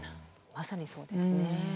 まさにそうですね。